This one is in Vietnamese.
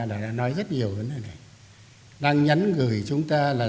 đã nói rất nhiều đang nhắn gửi chúng ta là